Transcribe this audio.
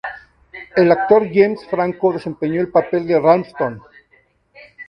El actor James Franco desempeñó el papel de Ralston.